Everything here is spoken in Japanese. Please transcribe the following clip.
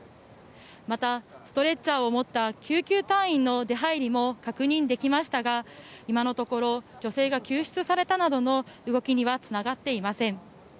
また、ストレッチャーを持った救急隊員の出入りも確認できましたが、今のところ女性が救出されたなどの動きにはつながっていません。